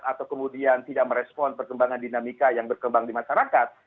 atau kemudian tidak merespon perkembangan dinamika yang berkembang di masyarakat